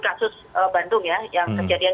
kasus bandung ya yang kejadian